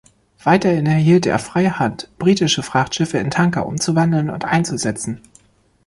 Weiterhin erhielt er freie Hand, britische Frachtschiffe in Tanker umzuwandeln und einzusetzen.